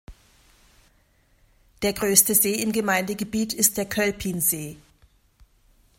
Der größte See im Gemeindegebiet ist der Kölpinsee.